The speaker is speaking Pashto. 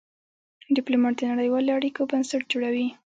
ډيپلومات د نړېوالو اړیکو بنسټ جوړوي.